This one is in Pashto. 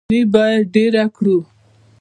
دا شتمني باید ډیره کړو.